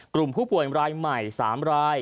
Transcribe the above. กลุ่มผู้ป่วยรายใหม่๓ราย